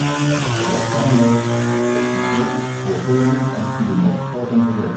A rock climber checks his rope before holding on to the next spot on the rock.